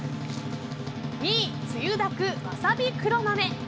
２位、つゆだくわさび黒豆。